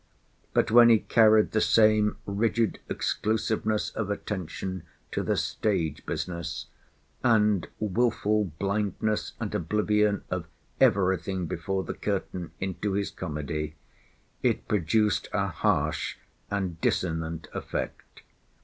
But when he carried the same rigid exclusiveness of attention to the stage business, and wilful blindness and oblivion of everything before the curtain into his comedy, it produced a harsh and dissonant effect.